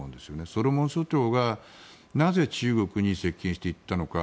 ソロモン諸島がなぜ中国に接近していったのか。